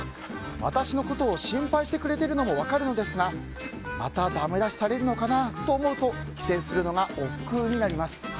私のことを心配してくれるのも分かるのですがまたダメ出しされるのかなと思うと帰省するのがおっくうになります。